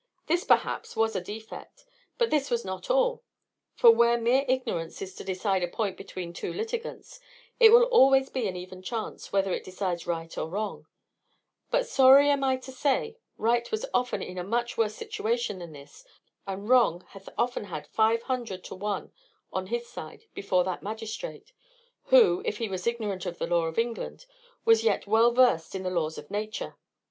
This, perhaps, was a defect; but this was not all: for where mere ignorance is to decide a point between two litigants, it will always be an even chance whether it decides right or wrong: but sorry am I to say, right was often in a much worse situation than this, and wrong hath often had five hundred to one on his side before that magistrate; who, if he was ignorant of the law of England, was yet well versed in the laws of nature.